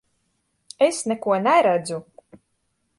Es neko neredzu!